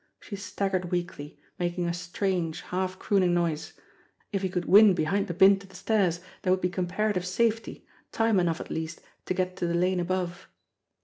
She staggered weakly, making a strange, half crooning noise. If he could win behind the bin to the stairs, there would be comparative safety, time enough at least to get to the lane above.